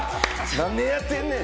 何年やってんねん！